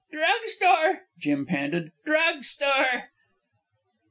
"Drug store," Jim panted. "Drug store."